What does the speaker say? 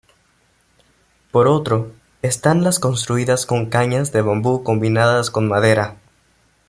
Por otro, están las construidas con cañas de bambú combinadas con madera.